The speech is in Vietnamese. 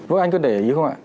vũ anh có để ý không ạ